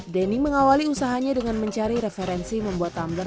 denny mengawali usahanya dengan mencari referensi membuat tumbler